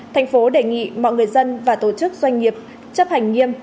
tp hcm đề nghị mọi người dân và tổ chức doanh nghiệp chấp hành nghiêm